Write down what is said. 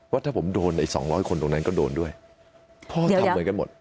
ว่าถ้าผมโดนอีก๒๐๐คนตรงนั้นก็โดนด้วยเพราะทำอะไรกันหมด